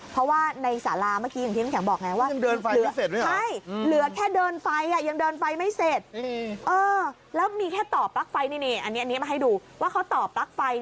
เพราะว่าในสาลาเมื่อกี้อย่างที่น้องแข็งบอกไง